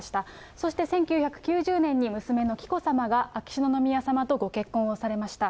そして１９９０年に娘の紀子さまが、秋篠宮さまとご結婚をされました。